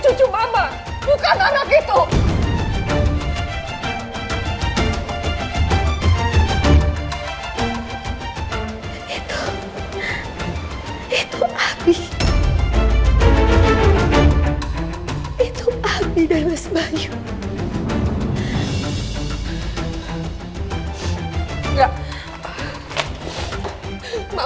aku waspada saat teman itu ada dalamassemble